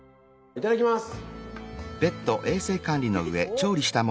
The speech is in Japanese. いただきます。